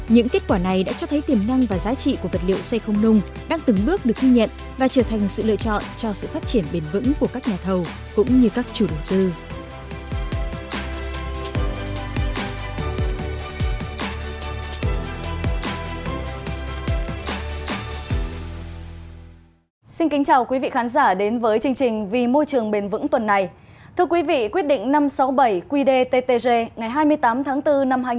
những kết quả này đã cho thấy tiềm năng và giá trị của vật liệu xây không nung đang từng bước được ghi nhận và trở thành sự lựa chọn cho sự phát triển bền vững của các nhà thầu cũng như các chủ đầu tư